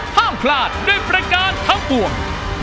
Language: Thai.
ห้ามพลาดด้วยประการทั้งปวง